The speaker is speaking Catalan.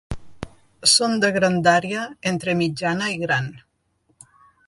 Són de grandària entre mitjana i gran.